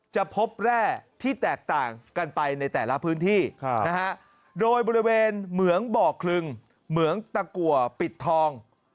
จะพบแร่ที่แตกต่างกันไปในแต่ละพื้นที่โดยบริเวณเหมืองบ่อคลึงเหมืองตะกัวปิดทอง